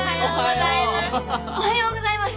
おはようございます。